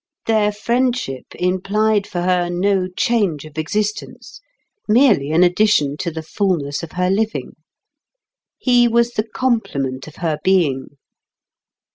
Their friendship implied for her no change of existence, merely an addition to the fulness of her living. He was the complement of her being.